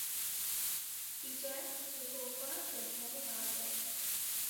Çîçek ji bo xwe bêhinê nade.